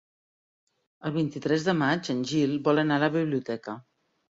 El vint-i-tres de maig en Gil vol anar a la biblioteca.